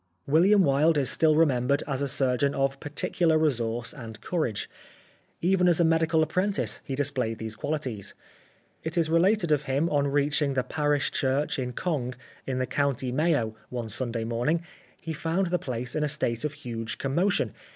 William Wilde is still remembered as a surgeon of particular resource and courage. Even as a 12 The Life of Oscar Wilde medical apprentice he displayed these qualities. It is related of him on reaching the parish church in Cong, in the County Mayo, one Sunday morning, he found the place in a state of huge commotion.